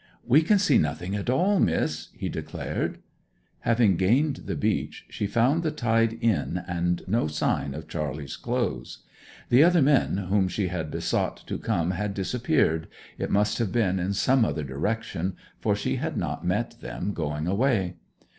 'We can see nothing at all, Miss,' he declared. Having gained the beach, she found the tide in, and no sign of Charley's clothes. The other men whom she had besought to come had disappeared, it must have been in some other direction, for she had not met them going away.